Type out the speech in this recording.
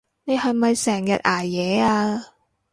你係咪成日捱夜啊？